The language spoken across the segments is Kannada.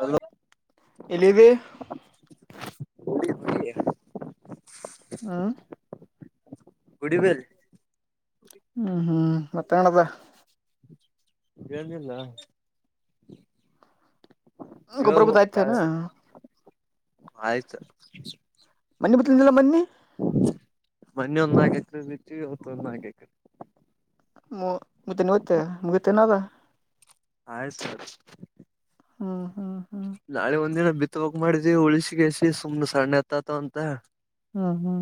ಹಲೋ ಎಲ್ಲಿದಿಯೇ [inaudible] ಹಾಂ ಗುಡಿ ಬೆಲ್ ಹ್ಮ್ ಹ್ಮ್ ಮತ್ತೆಣದಾ ಏನಿಲ್ಲ ಗೊಬ್ರ ಬುದ್ ತಾವೇ ಆಯ್ತೇನಾ ಆಯ್ತು ಮನ್ನಿ ಬತ್ತಿಂದಿಲ್ಲ ಮನ್ನಿ ಮನ್ನಿ ಒಂದ್ ನಾಕ್ ಎಕ್ರೆ ಆಗೈತಿ ಇವತೊಂದು ನಾಕ್ ಎಕ್ರೆ ಮತ್ತೆ [unintelligible] ಆಯ್ ಸರ್ ಹ್ಮ್ ಹ್ಮ್ ಹ್ಮ್ ನಾಳೆ ಒಂದಿನ ಬಿತ್ತ ಹೋಗಕ್ ಮಾಡಿದ್ವಿ ಉಳಿಸಿಗೆಸಿ ಸುಮ್ನೆ ಸಣ್ಣ ಅತ್ತತ ಅಂತ ಹಾ ಹ್ಮ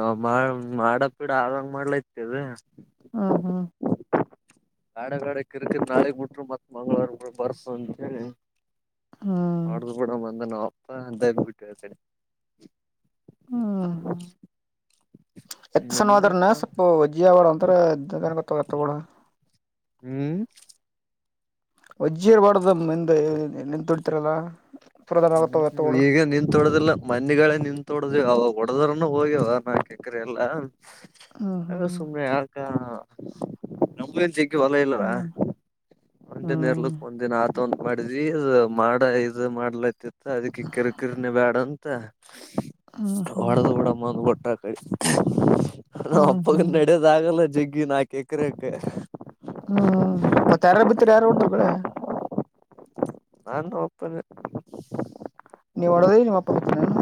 ಹ ಮಾಡಕ್ ಪಿಡೆ ಆಗಂಗೆ ಮಾಡ್ಲೈತದ ಹುಂ ಹುಂ ಗಾಡೆ ಕಾಡೆ ಕಿರ್ತಿದ್ ನಾಳಗ್ ಬಿಟ್ರು ಮತ್ ಮಂಗ್ವಾರ ಬಿ ಬರ್ಸು ಅಂತೇಳಿ ಹ್ಮ್ ಮಾಡ್ದ ಬಿಡೊ ಬಂದನ ಅಪ್ಪ ಅಂತ ಬಿಟ್ಟು ಹೇಳ್ತೇನಿ ಹ್ಮ್ ಹ್ಮ ಎತ್ತ ಸನ [unintelligible] ಅಂತರೆ [unintelligible] ಹ್ಮ್ ವಜ್ಜಿಯರ್ ಬಡದಂದಂತುಡ್ ತರಲ್ಲ ಹ್ಮ ಈಗ ನೀನ್ ತೊಡೋದಿಲ್ಲ ಮಂದಿಗಳೇ ನಿಂತ್ ಹೊಡ್ದ ಅವಾಗ ಹೊಡದ್ರನು ಹೋಗ್ಯವ ನಾಕ್ ಎಕರೆ ಎಲ್ಲಾ ಹ್ಮ್ ಅದೆ ಸುಮ್ನೆ ಯಾಕ್ಕಾ ನಮ್ ಮೇಲೆ ಜಗ್ಗಿ ಹೊಲ ಇಲ್ಲಾರ ಹ್ಮ್ ಒಂದಿನ ಇರ್ಲ ಹ್ಮ್ ಒಂದಿನ ಆತ್ ಮಾಡಿದ್ವಿ ಮಾಡ ಇದು ಮಾಡ್ಲತಿತ್ ಅದಕ್ಕೆ ಕಿರ್ಕಿರಿನಿ ಬೇಡಂತ ಹ್ಮ್ ಮತ್ತ ಹ್ಮ್ ಹೊಡೆದು ಬಿಡಮ್ಮ ಮೊಟ್ಟ ಕೈ ನಾ ಹ್ಮ್ ಹ್ಮ್ ಅಪ್ಪಕ್ಕ ಹ್ಮ್ ನಡೆಯದ ಆಗಲ್ಲ ಜಿಗ್ಗಿ ನಾ ಕೇಕ್ರಕ್ಕೆ ಹ್ಮ್ ಮತ್ತೆ ಯಾರ ಬಿತ್ತರಿ ಯಾರ ಉಡ್ರ ಕಡೆ ನಾು ಹೋಗ್ತೇನೆ ನೀವು ಹೊಡೋದ್ರಿ ನಿಮ್ಮಪ್ಪ ಬತ ನಾನು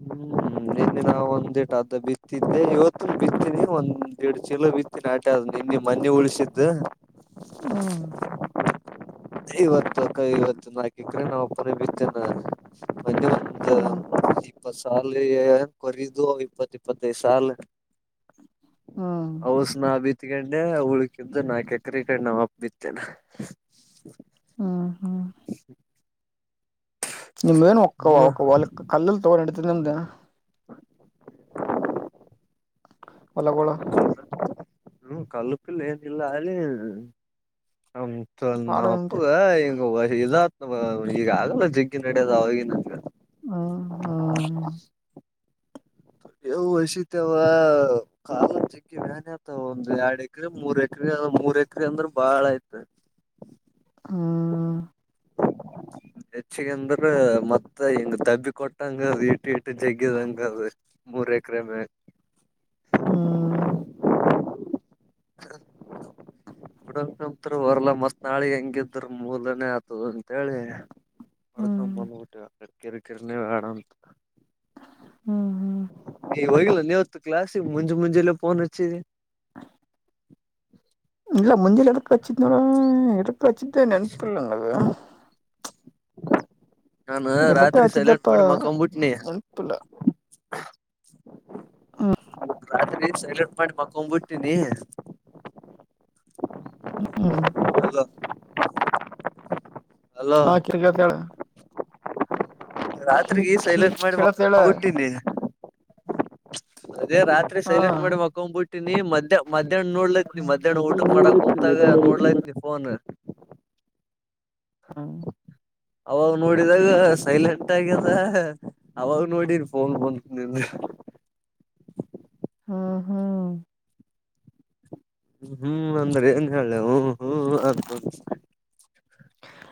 ಹ್ಮ್ ನಿನ್ನೆ ನಾವ್ ಒಂದ್ೆಟ ಅದ ಬಿತ್ತಿದ್ದೆ ಇವತ್ತು ಬಿತ್ತೀನಿ ಒಂದ್ೆಡ್ಡು ಚೀಲೋ ಬಿತ್ತ ಿನ ಆಟ ಅ ನಿನ್ನ ಮನೆೆ ಉಳಿಸಿದ್ದು ಹಾ ಇವತ್ತು ಇವತ್ತು ನಾಲ್ಕಕ್ರೆ ನಾವಪ್ಪನ ಬಿತ್ತಿದಾನ ಹ್ಮ್ ಇಪ್ಪತ್ ಸಲುಗೆ ಕೊರದುು ಇಪ್ಪತ್ತು ಇಪ್ಪತ್ತೈದು ಸಲ್ ಹ್ಮ ಹಸ್ ನಾ ಬಿತ್ಕಂಡೆ ಹ ಉಳ್ಕಂದುು ನಾಲ್ಕ ಎಕ್ರ ಕಂಡ್ ನಮ್ಮ್ ಅಪ್ಪ ಬಿತ್ತೇನ ಹಾ ನಿಮ್ ನು ಒ ಒ ಹ್ಮ ಒ ಕಲ್ಲಲ್ಲಿ ತೋ ಎಡಿತೀನಿ ಅಂದ ಹೊಲಗೋಳ ಹ್ಮ ಕಲ್ಲಪಿಲ್ಲ ಏನಿಲ್ಲ ಅಲ್ಲಿಂತ ನ ಪಾಡ ನಿಮ್ದೆ ಅಪ್ಪಗ ಓ ಇದ ತವ ಈಗ ಆಗಲ್ಲ ಜಿಗ್ಗಿ ನಡ್ಯೋದ ಅವಾಗಿ ನಂಗೆ ಹಾ ವಐಶತ್ಯವಾ ಕಾಲ ಅ ವ್ಯ್ಯಾನ್ ಆತ ಒಂದು ಎರಡ್ ಎಕ್ರ ಮೂರ್ ಎಕ್ರ ಮೂರ್ ಎಕ್ರ ಅಂದ್ರೆ ಬಾಳ ಆಯತ ಹಾ ಹೆಚ್ಚಿಗೆ ಅಂದ್ರ ಮತ್ತ ಹಿಂಗ ದಬ್ಬಿ ಕೊಟ್ಟಂಗ ಇಟ್ಟ ಇಟ್ಟ ಜಗ್ಗದಂಗದು ಮೂರ್ ಎಕರೆ ಮ ಹ್ಮ ಹ್ಮ ಹಡತ್ರು ಹೊರ್ಲ್ಲಾ ಮತ್ ನಾಳಿ ಹೆಂಗಿದ್ರ ಮೂಲನೆೇ ಆತದ ಅಂತೇಳಿ ಹ್ಮ್ ಮಾಡಡ್ಕೊಂಬಂದ ಟ್ಟ ಕಿರಿಕಿರ್ನ ಆಡಂತ ಹ್ಮ್ ಹ್ಮ್ ಈ ಹೋಗಿಲ್ಲ ನೀವತ್ತು ಕ್ಲಾಸ್ ಮುಂಜೆ ಮುಂಜೆಲ್ಲ ಫೋನ್ ಹಚ್ಚಿದೆಿ ಹ ಇಲ್ಲ ಮುಂಜೆ ಎಡಕಕ್ಷಿಡ ಎಡಕಾಸಿ್ದ ನೆನಪಲ್ಲಂಗದು [inaudible] ನಾನು ಎದಕ್ಕ ರಾತ್ರಿ ಸೈಲೆಂಟ್ ಹಚ್ಚಿದ್ದಪ್ಪ ಮಾಡಿ ಮಕೊಬಿಟ್ನಿ ನೆನಪಿಲ್ಲ ಹ್ಮ ರಾತ್ರಿ ಸಟ್ ಮಾಡಿ ಮಕೊ್ ಬಿಿಟ್ಟೀನಿ ಹ ಹಲ್ಲ ಹಾ ಕ್ರಿಕೆಟ್ ಕ ರಾತ್ರಿರಿಗೆ ಸೈಲೆಂಟ್ ಕೇಳತ್ ಹೇಳ ಮಾಡಿಬಟ್ಟಿನಿ ಅದೇ ರಾತ್ರಿ ಹಾ ಸೈಲೆಂಟ್ ಮಾಡಿ ಮ್ಕೊಂಡ್ಬ ಬಿಟ್ಟಿನಿ ಮ್ಯಾಹ ಮ್ಯಾಹ್ ನೋಡ್ಲೈತ್ ನೀ ಮ್ಯಾಹ್ ಊಟ ಮಾಡಕ ಕುೂಂತಾಗ ನೋಡ್ಲೈತ್ ಇಲ್ಲಿಫೋನು ಹಾ ಅವಾಗ ನೋಡಿದಾಗ ಸೈಲೆಂಟ್ ಆಗ್ಯದ ಅವಾಗ ನೋಡ ಫೋನ್ ಬಂತ ನಿಮ ಹಾ ಹಾ ಹ್ಮ ಹ್ಮ್ ಅಂದ್ರೆ ಏನ್ ಹೇಳೆವು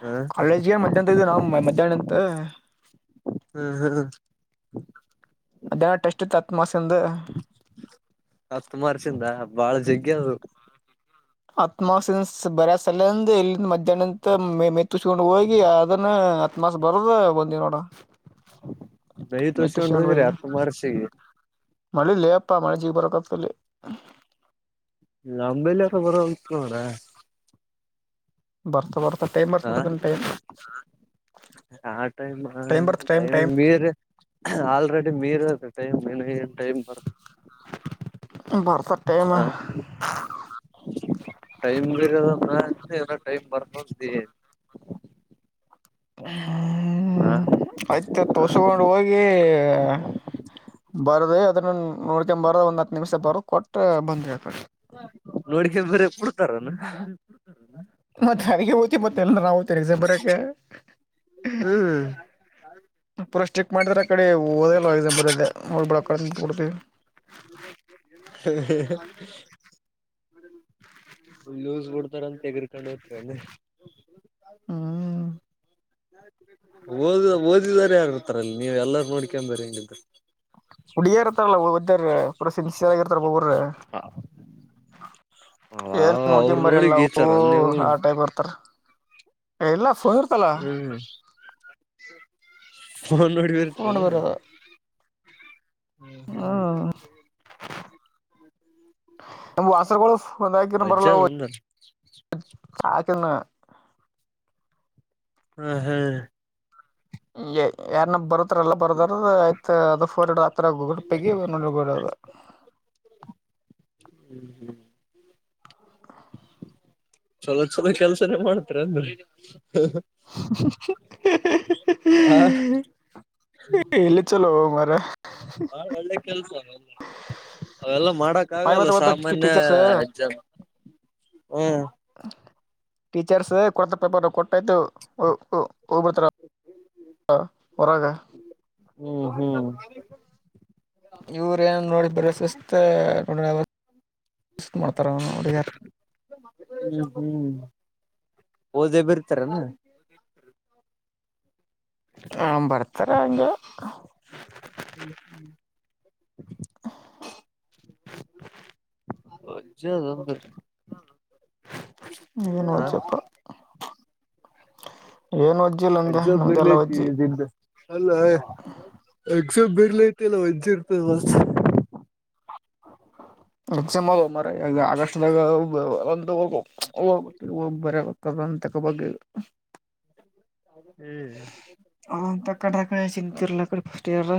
ಹ ಕಾಲೇಜ್ಗೆ ಮಧ್ಯಾಹ್ಂತ ಇದು ಮಧ್ಯಾಹ್ನ ಇತ್ತ [inaudible] ಹ ಹ [inaudible] ಮಧ್ಯಾನ ಟೆಸ್ಟ್ ಇತ್ತ ಹತ್ತ ಮಾರ್ಕ್ಸ್ ಇಂದ [inaudible] ಹತ್ತು ಮಾರ್ಸಿಂದ ಬಾಳ ಜಗ್ಗ ಅದೇ ಅದು. [inaudible] ಹತ್ತ ಮಾರ್ಕ್ಸ್ ಇಂದ ಬರ ಸಲಂದ ಇಲ್ಲಿಂದ ಮಧ್ಯಾಹ್ನ ಇಂದ ಮೇ ಮೇ [inaudible] ತುಚ್ಕೊಂಡು ಹೋಗಿ ಅದನ್ನ ಹತ್ತ ಮಾರ್ಕ್ಸ್ ಬರದ ಬಂದಿವ ನೋಡ. [inaudible] ನಯ ತೋಸಕೊಂಡು ಮೆತ್ತುಸ್ಕೊಂಡ್ ಹೋದರಾಯ್ ಹೋಗಿ ಹತ್ತ ತಮಾರ್ಕ್ಸ್ ಗೆ [inaudible] ಮಳಿ ಲ್ಲೇ ಪಾ ಮಳೆ ಜೀಗ್ ಬರಕ ಅತ್ತ ಅಲ್ಲಿ. [inaudible] ನಂಬಲ್ಲಿರ ಬರವಾಲದ ನೋಡ. [inaudible] ಬರ್ತಾ ಬರ್ತಾ ಟೈಮ್ ಬರ್ತ ಟೈಮ್ [inaudible] ಆ ಟೈಮ್ ಬರ್ತ ಟೈಮ್ ಟೈಮೀಗ ಟೈಮ್ ಮೀರಿ ಆಲ್ರೆಡಿ ಮೀರಲಾತ್ತದ ಟೈಮ್ ಇನ್ ಏನ್ [inaudible] ಟೈಮ್ ಬಾ ಬರ್ತ ಟೈಮ್ ಹಾ [inaudible] ಟೈಮ್ ಮೀರಿ ಬರತೆತೀ ಎಲ್ಲಾ ಟೈಮ್ ಬರತೆತೀ. [inaudible] ಹಾ [inaudible] ಹಾ [inaudible] ಆಯ್ತ ತೋಸಕೊಂಡ್ ಹೋಗಿ ಬರದೇ, [inaudible] ಅದನ್ನ ಅಲ್ಲ ನೋಡಕೊಂಡ ಬರದ ಹತ್ತ ನಿಮಿಷ ಬರು [inaudible] ಕೊಟ್ಟ ಬಂದೇ ಅತ್ತಾಗ. ನೋಡ್ಕ ಬರ ಬಿಡ್ತಾರನ [inaudible] ಮತ್ತ ಹರಿಗೆ ಹೋಗಿ ಬಂದಿವಿ ಅಲ್ಲ ನಾವು [inaudible] ಪಿಸ ಬರಕೆ ಹ್ಮ್ ಪುರ ಸ್ಟ್ರಿಕ ಮಾಡಿದ್ರ ಆ ಕಡೆ ಒ [inaudible] ಓದಲ ನಾವ್ ಇದನ್ನ ಬರದೇ [inaudible] [inaudible] [unintelligible] ಲೂಸ್ ಬಿಡ್ತಾರಂತ ತೆಗರ್ಕೊಂಡ್ ಹೋಕಿರ ಏನ್ [inaudible] [inaudible] ಓದ ಓದಿಲ್ಲದಾರ ಯಾರ ಬರ್ತಾರ ಅಲ್ಲಿ ನೀವ ಎಲ್ಲಾರ ನೋಡಕೊಂಡ ಬರಿತೀರಿ [inaudible] ಹುಡಿಗ್ಯಾರ ಇರ್ತವ ಅಲ್ಲ ಓದಿ ಕ್ಯಾರ ಒಬ್ಬರ ಶಾಲೆಗ ಇರತ್ತಾರ ಒಬ್ಬರ [inaudible] ಏನ್ ಅವ್ರ ನೋಡಕೊಂಡ ನೋಡಿ ಬರಿಯಲ್ಲ ಅವು ಗೀಚಾರ ನೀವು ಆ ಟೈಪ್ ಬರ್ತಾರ. [inaudible] ಹೂ ಫೋನ್ ನೋಡಿ [inaudible] [unintelligible] ನೋಡಿ ಬರದ [inaudible] ಹು ಹು [inaudible] [unintelligible] ನಮ್ಮ ವಾಸರಗೋಳು ಒಂದ ಹಾಕಿದರ ಬರಲ್ಲ ಅಜ್ಜದ ಅವು ಅಂದ್ರ ಹಾಗ ಅಲ್ಲ [inaudible] ಹ ಹೇಳ ಲೇ [inaudible] ಏ ಎನಕ್ಕ ಬರುತ್ತ. [inaudible] ಹತ್ರ ಎಲ್ಲ ಬರ್ದಾರು ಆಯ್ತ ಅದರ ಫೋಡ ಹತ್ತರಾಗೂ [inaudible] [unintelligible] [inaudible] [inaudible] ಚಲೋ ಚಲೋ ಕೆಲ್ಸನೇ ಮಾಡ್ತ್ರಿ. [inaudible] [inaudible] [unintelligible] ಚಲೋ ಮಾರಾಯ [inaudible] ಬಾಳ ಒಳ್ಳೆ ಕೆಲ್ಸ ಅಲ್ಲ ನಿಮ್ದ. [inaudible] ಅವೆಲ್ಲ ಮಾಡಕ್ ಮಾಯಿ ಆಗಲ್ಲ ಮತ್ತ ಗೊತ್ತ ಸಾಮಾನ್ಯ ಟೀಚರ್ಸ್ ಹೆಚ್ಚ ಆದುವ ಹೂ [inaudible] ಟೀಚರ್ಸ್ ಕೊಟ್ಟ ಪೇಪರ್ ಕೊಟ್ಟ ಆಯ್ತು ಪೊ ಪೊ ಗೋಮಅಂತರ [inaudible] ಹಾ ಹೊರಾಗ [inaudible] ಹೂ ಹೂ [inaudible] ಇವ್ರ ಏನ ನೋಡಿ ಬರ ಸಿಸತ್ತ ನೂರಾ ಐವತ್ತ ಮಾಡ್ತಾರ ಅವನ ಹುಡಿಗ್ಯಾರ [inaudible] ಹ್ಮ್ ಹ್ಮ್ ಓದೆೇ ಬಿರ್ತಾರೇನು [inaudible] ಹ ಬರ್ತಾರೆ [unintelligible] ಹ್ಮ್ ಹ್ಮ್ [unintelligible] [inaudible] ಮಜ್ಜ [unintelligible] [unintelligible] ಏನ್ ವಜಪ್ಪ [unintelligible] ಏನು [unintelligible] ಎಕ್ಸಾಮ್ ನಮ್ದೇಲ್ಲಾ ಬರ್ಲೈತಿ ಒಚಿಟಿ ಇದಿಂದ ಅಲ್ಲ ಎಕ್ಸ ಬರ್ಲಐತಿ ಇಲ್ಲ [unintelligible] [unintelligible] ಇರ್ತವಾ [unintelligible] [unintelligible] ಒಂದು [unintelligible] ಬರಾಗತದ ತಕ್ಕೋ ಬಗ್ಗೆ ಹ್ಮ್ [unintelligible] ಆಂತ ಕಡೆ ಆಕಡೆ ಚಿಂತಿಲ್ಲ ಕಡೆ ಫಸ್ಟ್ ಇಯರ್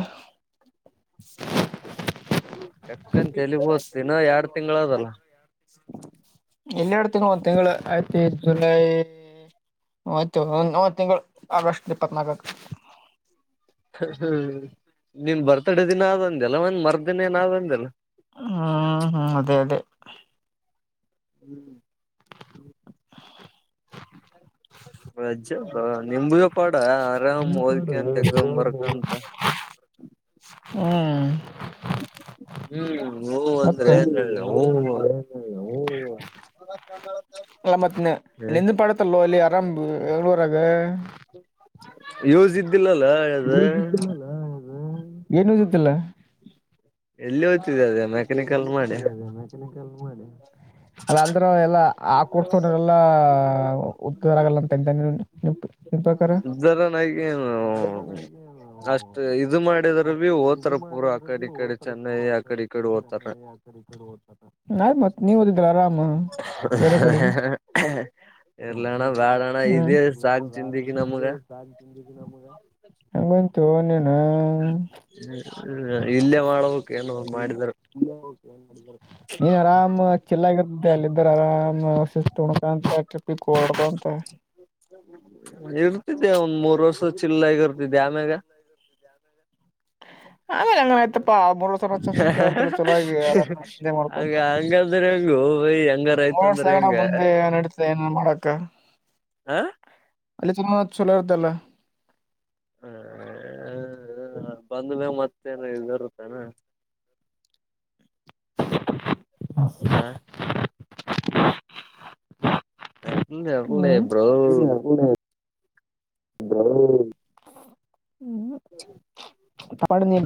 ಚಕ್ಕಂತಲಿ ಹೋತ್ತು ಇನ್ನ ಎರಡ್ ತಿಂಗಳದಲ್ಲ ಇನ್ನೆರಡು ತಿಂಗಳು ಒಂದ್ ತಿಂಗಳು ಐತಿ ಜುಲೈ [unintelligible] ಇನ್ನು ಒನ್ ತಿಂಗಳು ತಿಂಗಳು ಆಗಸ್ಟ್ ಇಪ್ಪತ್ನಾಲ್ಕಕ್ಕೆ ಹ್ಮ ನಿನ್ ಬರ್ತಡ ದಿನ ಆದಂದಲ್ಲ ಒಂದ ಮರ್ದಿನ ಏನಾದಂದಲ್ಲ ಹ್ಮ್ ಹ್ಮ್ ಅದೇ ಅದೇ ಹ್ಮ್ [unintelligible] [inaudible] [inaudible] ವಜ್ಜಪ್ಪ ನಿಂಬದಪಾಡ ಆರಾಮ್ ಓದ್ಕ್ಯಾತ ಎಕ್ಸಾಮ್ ಬರ್ಕಅಂತ ಹ್ಮ್ [unintelligible] ಹ್ಮ್ ಹೂ ಅಂದ್ರೆ ಮತ್ತ ಏನ್ ನೋ ಹೇಳ [unintelligible] ಹೂ ಒಂದ ಓ [unintelligible] [unintelligible] ಅಲ್ಲ ಮತ್ತೆ ನೆಂದ ಪಡತಲೋ ಅಲ್ಲಿ ಅರಾಮ ಬೆಂಗಳೂರಾಗ ಯೂಸ್ ಇದ್ದಿಲ್ಲಲ್ಲ [unintelligible] ಅದು [unintelligible] ಏನು ಯೂಸ್ ಇತ್ತಿಲ್ಲ ಎಲ್ಲಿ ಓದ್ತಿದೆ ಅ [unintelligible] [unintelligible] ಎಲ್ಲತ ಅದ ಮಕನ ಕಲ್ ಮಾಡಿ ಅಲ್ಲ ಅಂದ್ರ ಎಲ್ಲಾ ಆ ಕೂ [unintelligible] ಎಲ್ಲಾ ಉದ್ದರ ಆಗಲ್ಲ ಅಂತಂತ ನಿಪು ಇದರ ನಗೇನು ಅಷ್ಟ ಇದು ಮಾಡಿದ್ರ ಭೀ ಹೋತಾರ ಬೋರ್ಡ್ ಆಕ್ ಕಡೆ ಕಡೆ ಚೆನ್ನೈ ಆ ಕಡೆ ಇಡೆ ಹೋತರ [unintelligible] ಅಯ್ತು ಮತ್ತೆ ನೀವದಿದ್ದ್ರ ಆರಾಮ ಬೇರೆ ಕಡೆ ಇರ್ಲಣ್ಣ ಬ್ಯಾಡಣ್ಣ [unintelligible] ಇದೇ ಮಲ್ಲಣ ಸಾಕ್ ಬಾರಣ ಜಿಂದಗಿ ಈಗ ನಮ್ಗ ಸಾ [unintelligible] ನಂಗಂತು ನೀನಾ ಹ್ಮ ಇಲ್ಲೇ ಮಾಡಬೇಕ್ ಏನೊಂದು ಮಾಡುದ್ರೆ [unintelligible] ನೀ ಅರಾಮ್ [unintelligible] ಚೆಲ್ ಆಗತ್ತ ಅಲ್ಲಿದ್ರ ಆರಾಮ್ [unintelligible] ಅಂತ [unintelligible] ಇರ್ತಿದ್ದೆ ಒಂದ್ ಮೂರ್ ವರ್ಷ ಚಿಲ್ಲಗ್ ಇರ್ತಿದ್ದೆ ಆಮ್ಯಾಗ ಆಮೇಲೆ ಏನ್ ಆಯ್ತಪ್ಪ [unintelligible] [unintelligible] [unintelligible] [unintelligible] ಚಲೋ ಆಗಿ ಆರಾಮಾಗಿ ಇಲ್ಲೇ ಹಂಗ ಮಲ್ಕೊತಾರ ಹಂಗಂದ್ರ ಹೆಂಗೋ ಬೈ ಹೆಂಗಾರ ಮೂರ್ ಆಯ್ತಂದ್ರ ವರ್ಷದಗಣ ಹೆಂಗ ಮುಂದೆ ಏನ್ ನಡತದೆ ಏನ ಮಾಡಕ ಹ [unintelligible] ಅಲ್ಲಿ ತುಂಬಾ ಚಲೋ ಇದಲ್ಲ ಹ ಬಂದ್ಮೇಲೆ ಮತ್ತೇನ್ ಬರುತ್ತಾನ ಹಾ ಹ್ಮ ಇರ್ಲಿ ಹ ಬ್ರೋ ಹ್ಮ ಪಡ ನೀ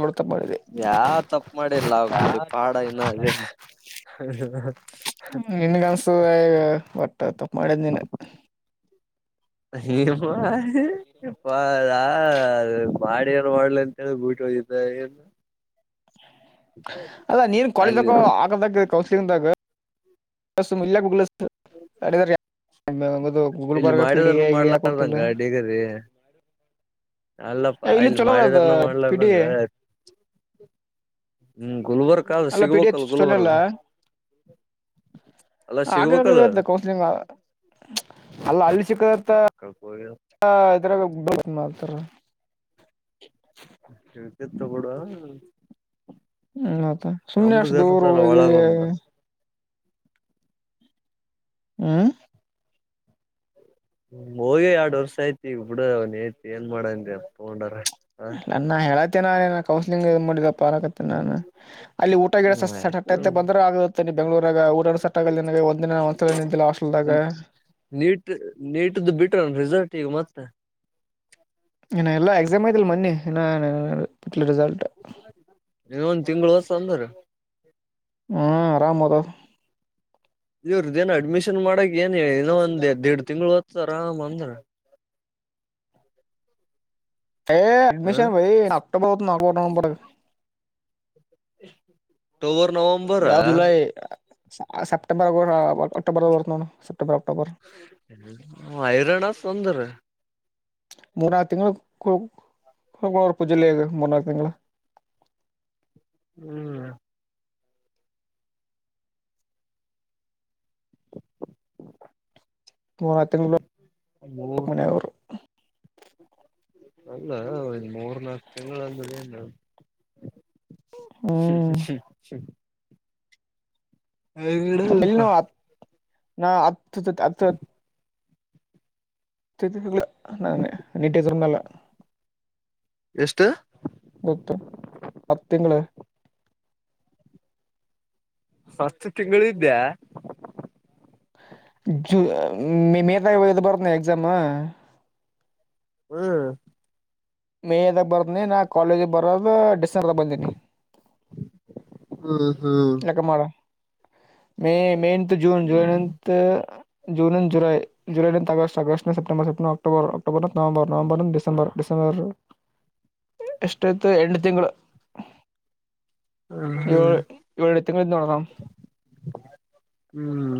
ನೋಡ್ತಾ ಮಾಡಿದೆ ಯಾವ ತಪ್ಪ ಮಾಡಿಲ್ಲ ಅವ ಕೋಡಿ ಪಾಡ ಇನ್ನದೆ. ನಿನ್ಗ ಅನ್ಸುದ ಈಗ ಒಟ್ಟ ತಪ್ಪು ಮಾಡಿದ್ದಿನ? [inaudible] ಇಪ್ಪ ಅದಾ ಮಾಡ ನ್ ಮಾಡಲಿ ಅಂತೇಳ ಬಿಟ್ಟು ಹೋಗಿದ್ದ ಏನ್? ಅದ ನೀನ್ ಅಲ್ಲಿ [inaudible] ಆ ಕೌನ್ಸಿಲಿಂಗ್ಗ ಇಲ್ಲ ಗೂಗ [inaudible] ಮ ಒಂಗದು ಇಲ್ಲಿ ಮಾಡಿದಾರನು ಮಾಡ್ಲಾರ್ದಂಗ ಡಗರಿ ಅಲ್ಲಪ್ಪ ಏ, ಇಲ್ಲಿ ಇಲ್ ಚಲೋ ಅದ ಮಾಡಿದಾರನ ಅದು ಪಿ ಡಿ ಮಾಡ್ಲಾರ್ದಂಗ ಎ ಹ್ಮ, ಗುಲ್ಬರ್ಗ ಅ ಅಲ್ಲ ಪಿಡಿ ಎಚ್ ಸಿಗ್ಬೇಕಲ್ ಗುಲ್ಬರ್ಗ ಚೋಲ್ಲ್ಲ? ಅಲ್ಲ ಹಾಗ ಸಿಗ್ಬೇಕಲ್ಲ ಆತ್ತೆ ಕೌನ್ಸಲಿಂಗ್ ಅಲ್ಲ ಅಲ್ಲಿ ಚಿಕ್ಕದಥ [inaudible] ಇದರಾಗ ಬ ಮಾಡತಾರ ಹ ತ ಕೊಡುವ ಹ್ಮ್ ಮತ ಸುಮ್ನೆ ಅಷ್ಟು ದೂರ ಹೋಗಿ ಒಳಗೊಂದ ಹಾ ಹೋಗಿ ಎರಡ್ ವರ್ಷ ಆಯತಿ, ಈಗ ಬಿಡ ಅವನ ಐತಿ ಏನ್ ಮಾಡನ್ ತಗೊಂಡಾರ ಹ ಅಲ್ಲ ನಾ ಹೇಳತೇ ನ ಕೌನ್ಸಲಿಂಗ್ ಪರಾಕತ್ತ ನಾನು ಅಲ್ಲಿ ಊಟ ಗಿಟ ಆಯ್ತು ಸಟ್ಟಂತ ಬಂದರೂ ಆಗತ್ತೆ ನೀ ಬೆಂಗಳೂರಗ ಊಟ ಸನ ಒಂದಿನ ತ ನಂತಲ ಹಾಸ್ಟಲ್ದಾಗ ನೀಟ್ದು ಬಿಟ್ರ ರಿಸರ್ಟ್ ಈಗ ಮತ್ತೆ ಇ ಎಲ್ಲ ಎಕ್ಸಾಮ್ ಐಯ್ತಲ್ಲ ಮನ್ನಿ ಇ ಬಿಟ್ಲಿ ರಿಸಲ್ಟ್. ಇ ಒಂದ ತಿಂಗಳು ಹೊಸ ಅಂದ್ರ. ಹಾಂ ಆರಾಮುದ. ಇವ್ರದ್ದ ಏನು ಅಡ್ಮಿಷನ್ ಮಾಡಕ್ ಏನ್, ಏನ್ನ ಒಂದ್ ಎರಡ್ ತಿಂಗ್ಗಳು ಆಯ್ತದ ಆರಾಮ್ ಅಂದ್ರ. ಏ ಹ ಅಡ್ಮಿಷನ್ ಬಾಯ್ ಅಕ್ಟೋಬರ್ ಹೊ ನಗಬರ್ ನಂಬರ್ಗೆ. ಅಕ್ಟೋಬರ್ ನವಂಬರ್ ಯಾವ ಜುಲೈ ಸೆಪ್ಟೆಂಬರ್ ಅಕ್ಟೋಬರ್ ಬರ್ತ್ತ ನೋನು ಸೆಪ್ಟೆಂಬರ್ ಅಕ್ಟೋಬರ್ ಐರಾಣ ತುಂದ್ರ ಮೂರನಾಕು ತಿಂಗಳು ಕೋಲ್ಕಾರ ಪು ಜಿಲ್ಲೆಯೆಗೆ ಮೂರನಾಕು ತಿಂಗಳು ಹ್ಮ್ ಮೂರ್ನಾಲ್ಕು ತಿಂಗಳು ಹ ಮನೆಯವರು ಅಲ್ಲ ಒ ಮೂರ್ ನಾಕ ತಿಂಗಳ ಅಂದ್ರ ಏನು? ಹ್ಮ್ ಹ ಸ ಹಗಡ ಮತ್ತೆ ಇಲ್ಲಿ ಸ್ವಲ್ಪ. ನಾವು ಹತ್ [unintelligible] ನ ನೀಟದು ಇರುನ್ನಲ್ಲ ಎಷ್ಟು? ಮೊತ್ತು ಪತ್ತ ತಿಂಗಳ ಹತ್ತು ತಿಂಗಳು ಇದ್ಯಾ? ಜುನ ಮೈ ಮೀದ ಇದು ಬರ್ನ ಎಕ್ಸಾಮ. ಹ್ಮ್ ಮೇದಾಗ ಬರ್ತನಿ ನಾ ಕಾಲೇಜಿಗೆ ಬರೋದು ಡಿಸೆಂಬರ್ದಾಗ ಬಂದೀನಿ ಹ್ಮ್ ಹ್ಮ್ ಮ ಮೇ ಮೇನಂತ್ ಜೂನ್ ಜುಲೈ ನಂತ ಜೂನ್ ಜು July August August September September October November ನಂಬರ್ ಡಿಸೆಂಬರ್ ಡಿಸ್ ಸಮಾರ ಎಷ್ಟಾಯತು ಎಂಟು ತಿಂಗಳು ಏಳು ತಿಂಗ್ಳ್ದ್ [unintelligible] ಹ್ಮ್